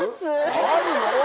あるの？